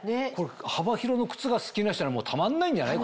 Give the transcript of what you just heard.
幅広の靴が好きな人にはたまんないんじゃない？